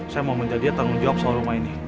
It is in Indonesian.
saya mau minta dia tanggung jawab soal rumah ini